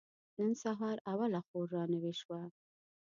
نن سهار اوله خور را نوې شوه.